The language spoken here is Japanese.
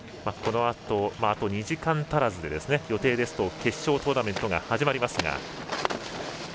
あと２時間足らずで予定ですと決勝トーナメントが始まります。